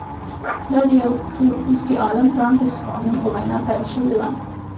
دا د یوه تور پوستي عالم فرانټس فانون په وینا پیل شوې وه.